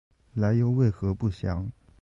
来由为何不详。